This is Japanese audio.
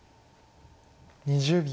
２０秒。